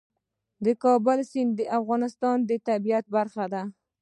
د کابل سیند د افغانستان د طبیعت برخه ده.